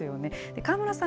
川村さん